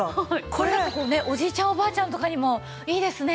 これだとおじいちゃんおばあちゃんとかにもいいですね。